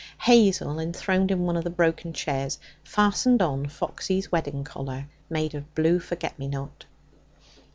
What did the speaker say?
Hazel, enthroned in one of the broken chairs, fastened on Foxy's wedding collar, made of blue forget me not.